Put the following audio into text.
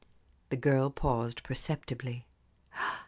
The girl paused perceptibly.